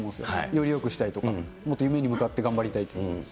よりよくしたいとか、もっと夢に向かって頑張りたいとか。